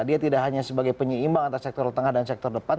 dia tidak hanya sebagai penyeimbang antara sektor tengah dan sektor depan